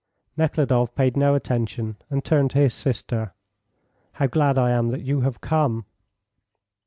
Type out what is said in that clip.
Nekhludoff paid no attention, and turned to his sister. "How glad I am that you have come."